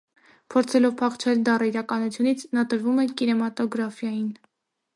Փորձելով փախչել դառը իրականությունից, նա տրվում է կինեմատոգրաֆիային։